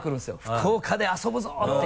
「福岡で遊ぶぞ！」っていう。